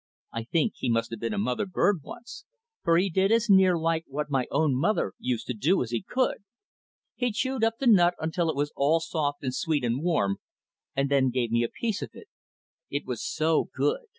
I think he must have been a mother bird once, for he did as near like what my own mother used to do as he could. He chewed up the nut until it was all soft and sweet and warm, and then gave me a piece of it. It was so good!